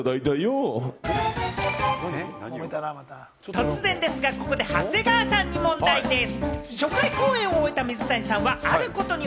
突然ですが、ここで長谷川さんに問題でぃす！